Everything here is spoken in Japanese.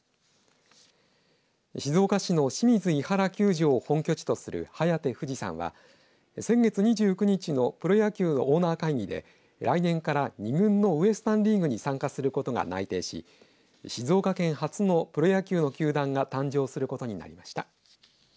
静岡市の清水庵原球場を本拠地とするハヤテ２２３は先月２９日のプロ野球オーナー会議で来年から２軍のウエスタン・リーグに参加することが内定し静岡県初のプロ野球の球団が誕生することになりました。